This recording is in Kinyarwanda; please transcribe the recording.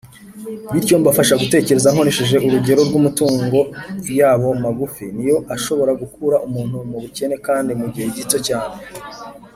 bityo mbafasha gutekereza nkoresheje urugero rw’ amatungo yabo magufi, niyo ashobora gukura umuntu mu bukene kandi mugihe gito cyane.